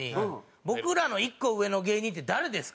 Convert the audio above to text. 「僕らの１個上の芸人って誰ですか？」